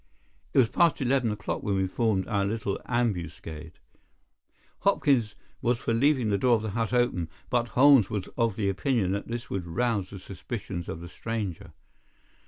It was past eleven o'clock when we formed our little ambuscade. Hopkins was for leaving the door of the hut open, but Holmes was of the opinion that this would rouse the suspicions of the stranger.